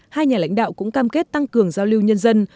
hai nhà lãnh đạo cũng cam kết tăng cường giao lưu nhân dân